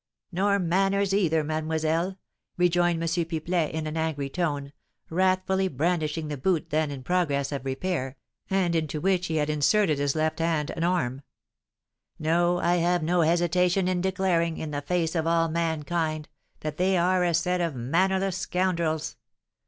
"Nor manners either, mademoiselle," rejoined M. Pipelet, in an angry tone, wrathfully brandishing the boot then in progress of repair, and into which he had inserted his left hand and arm. "No! I have no hesitation in declaring, in the face of all mankind, that they are a set of mannerless scoundrels.